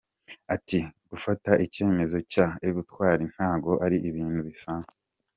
Ati “Gufata icyemezo cy’ubutwari ntago ari ibintu bisanzwe.